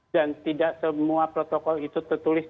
dan tidak semua protokol itu tertulis